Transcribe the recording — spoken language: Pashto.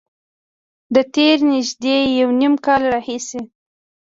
له تېر نږدې یو نیم کال راهیسې